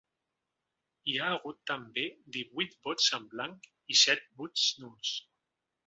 Hi ha hagut també divuit vots en blanc i set vots nuls.